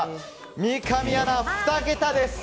三上アナ、２桁です！